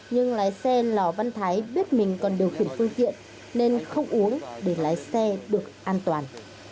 nhưng lái xe lò văn thái biết mình còn điều khiển phương tiện nên không uống để lái xe được an toàn